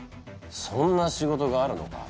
そんな仕事があるのか。